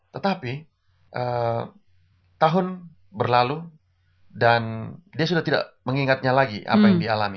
tetapi tahun berlalu dan dia sudah tidak mengingatnya lagi apa yang dia alami